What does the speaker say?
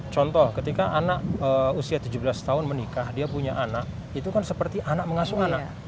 contoh ketika anak usia tujuh belas tahun menikah dia punya anak itu kan seperti anak mengasuh anak